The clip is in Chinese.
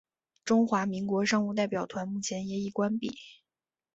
中华民国商务代表团目前也已关闭。